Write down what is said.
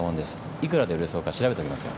いくらで売れそうか調べておきますよ。